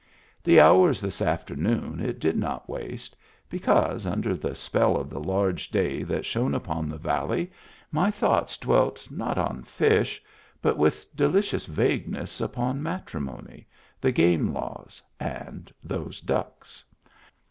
The hours this afternoon it did not waste, because, under the spell of the large day that shone upon the valley, my thoughts dwelt not on fish, but with delicious vagueness upon matrimony, the game laws and those ducks.